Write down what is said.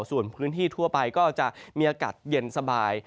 ส่วนพื้นที่ทั่วไปก็จะมีอากาศเย็นสบาย